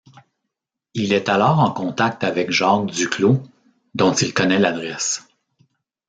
Il est alors en contact avec Jacques Duclos, dont il connaît l'adresse.